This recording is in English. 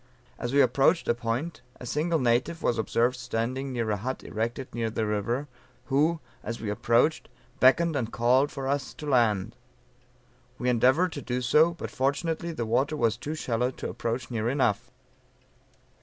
"As we approached a point, a single native was observed standing near a hut erected near the river, who, as we approached, beckoned, and called for us to land. We endeavored to do so, but fortunately the water was too shallow to approach near enough.